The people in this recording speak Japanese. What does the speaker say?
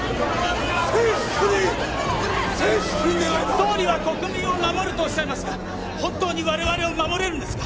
総理は国民を守るとおっしゃいますが本当に我々を守れるんですか！？